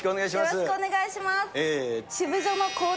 よろしくお願いします。